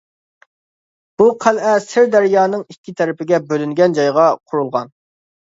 بۇ قەلئە سىر دەريانىڭ ئىككى تەرىپىگە بۆلۈنگەن جايىغا قۇرۇلغان.